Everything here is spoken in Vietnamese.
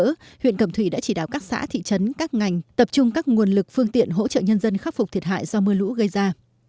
trước đó huyện cẩm thủy đã chỉ đạo các xã thị trấn các ngành tập trung các nguồn lực phương tiện hỗ trợ nhân dân khắc phục thiệt hại do mưa lũ gây ra